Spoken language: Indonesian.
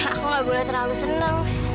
aku gak boleh terlalu senang